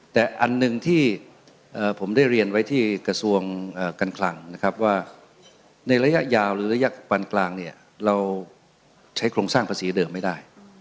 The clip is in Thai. แต่อันหนึ่งที่ผมได้เรียนไว้ที่กระทรวงการคลังนะครับว่าในระยะยาวหรือระยะปันกลางเนี่ยเราใช้โครงสร้างภาษีเดิมไม่ได้